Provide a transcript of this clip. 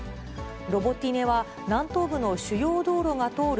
ロボティネは、南東部の主要道路が通る